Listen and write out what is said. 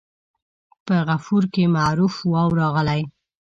په غفور کې معروف واو راغلی.